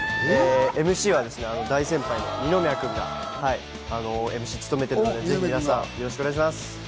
ＭＣは大先輩の二宮君がＭＣ務めてるので、ぜひ皆さん、よろしくお願いします。